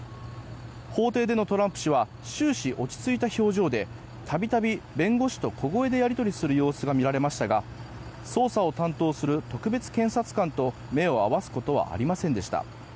法廷でのトランプ氏は終始落ち着いた表情で度々、弁護士と小声でやり取りする様子が見られましたが捜査を担当する特別検察官と目を合わせることはありませんでした。